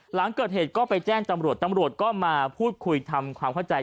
หลังเกิดเหตุก็ไปแจ้งตำรวจตำรวจก็มาพูดคุยทำความเข้าใจ